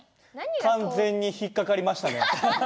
完全に引っ掛かりましたね。